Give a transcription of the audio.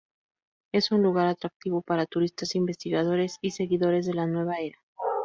Es un lugar atractivo para turistas, investigadores y seguidores de la Nueva era.